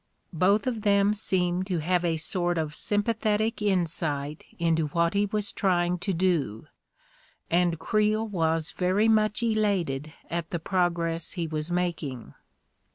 Both of them seemed to have a sort of sympathetic insight into what he was trying to do, and Creel was very much elated at the progress he was making.